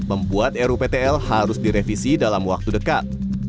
membuat ruptl harus direvisi dalam waktu dekat